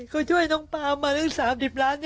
เค้าช่วยน้องปามาเรื่อง๓๐ล้าน